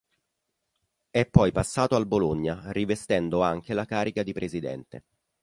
È poi passato al Bologna rivestendo anche la carica di presidente.